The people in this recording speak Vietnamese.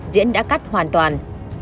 diễn đã cắt hoàn toàn